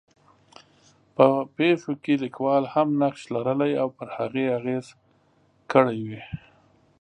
په پېښو کې لیکوال هم نقش لرلی او پر هغې یې اغېز کړی وي.